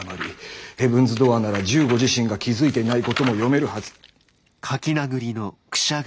ヘブンズ・ドアーなら十五自身が気付いていないことも読めるはず。